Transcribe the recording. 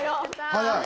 早い！